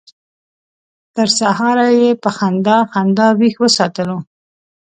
تر سهاره یې په خندا خندا ویښ وساتلو.